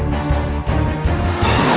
tidak ada sesuatu